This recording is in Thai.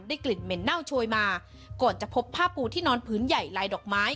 กลิ่นเหม็นเน่าโชยมาก่อนจะพบผ้าปูที่นอนพื้นใหญ่ลายดอกไม้